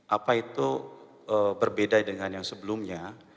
apa itu berbeda dengan yang sebelumnya